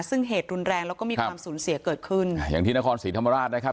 ซึ่งเหตุรุนแรงแล้วก็มีความสูญเสียเกิดขึ้นอย่างที่นครศรีธรรมราชนะครับ